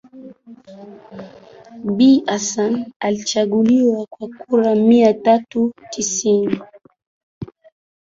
Bi Hassan alichaguliwa kwa kura mia tatu tisini